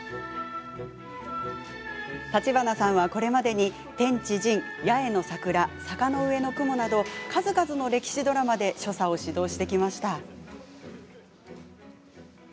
橘さんは、これまでに「天地人」、「八重の桜」「坂の上の雲」など数々の歴史ドラマで所作を指導してきました。